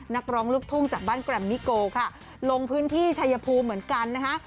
นักร้องลูกทุ่งจากบ้านแกรมมิโกค่ะลงพื้นที่ชายภูมิเหมือนกันนะคะ